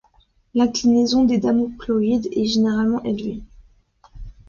L'inclinaison des damocloïdes est généralement élevée.